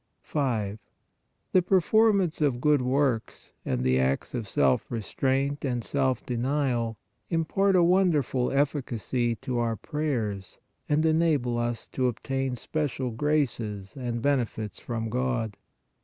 5. The performance of good works and the acts of self restraint and self denial impart a wonderful efficacy to our prayers and enable us to obtain special graces and benefits from God.